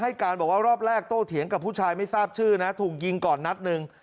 การบอกว่ารอบแรกโต้เถียงกับผู้ชายไม่ทราบชื่อนะถูกยิงก่อนนัดหนึ่ง